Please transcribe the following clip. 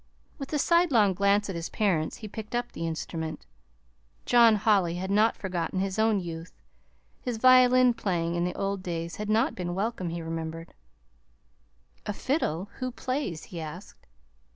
With a sidelong glance at his parents, he picked up the instrument John Holly had not forgotten his own youth. His violin playing in the old days had not been welcome, he remembered. "A fiddle! Who plays?" he asked.